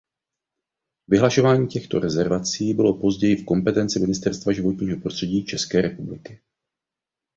Vyhlašování těchto rezervací bylo později v kompetenci Ministerstva životního prostředí České republiky.